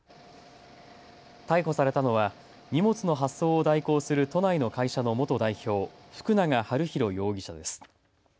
逮捕されたのは荷物の発送を代行する都内の会社の元代表、福永悠宏容疑者です。